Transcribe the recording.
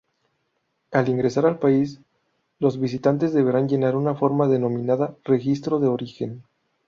Al ingresar al país, los visitantes deberán llenar una forma denominada Registro de Origen.